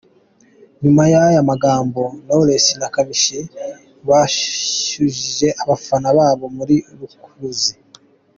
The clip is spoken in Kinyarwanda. Nyuma y’aya magambo, Knowless na Kamichi bashyuhije abafana babo muri Rukuruzi.